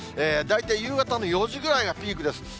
大体夕方の４時ぐらいがピークです。